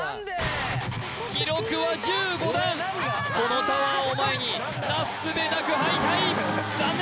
記録は１５段このタワーを前になすすべなく敗退残念！